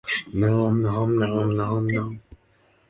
In addition, the state's Massachusetts Hospital School is in Canton.